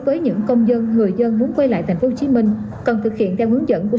với những công dân người dân muốn quay lại thành phố hồ chí minh cần thực hiện theo hướng dẫn của